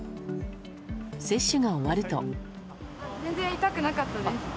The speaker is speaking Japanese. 接種が終わると。